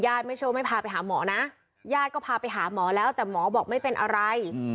ยาดไม่พาไปหาหมอนะยาดก็พาไปหาหมอแล้วแต่หมอบอกไม่เป็นอะไร